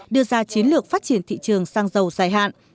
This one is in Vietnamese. đưa ra chiến lược phát triển thị trường xăng dầu dài hạn